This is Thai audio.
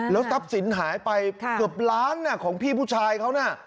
ทรัพย์สินหายไปเกือบล้านของพี่ผู้ชายเขาน่ะ